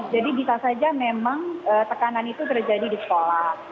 jadi bisa saja memang tekanan itu terjadi di sekolah